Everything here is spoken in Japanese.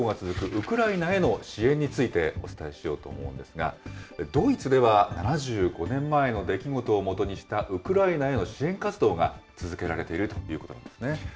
ウクライナへの支援についてお伝えしようと思うんですが、ドイツでは、７５年前の出来事をもとにしたウクライナへの支援活動が続けられているということなんですね。